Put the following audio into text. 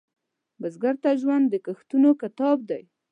بزګر ته ژوند د کښتونو کتاب دی